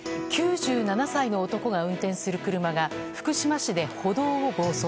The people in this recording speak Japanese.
９７歳の男が運転する車が福島市で歩道を暴走。